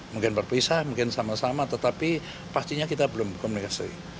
mungkin berpisah mungkin sama sama tetapi pastinya kita belum komunikasi